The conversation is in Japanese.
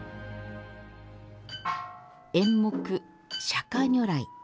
演目「釈迦如来」。